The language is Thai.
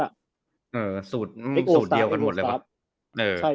เออสูตรเดียวกันหมดเลยหรอ